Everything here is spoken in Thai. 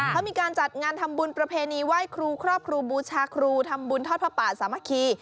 เขามีการจัดงานทำบุญประเพณีไหว้ครูครอบครูบูชาครูทำบุญทอดพระป่าสามัคคี